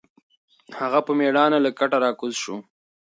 هغه په مېړانه له کټه راکوز شو.